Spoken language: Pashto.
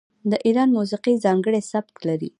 د ایران موسیقي ځانګړی سبک لري.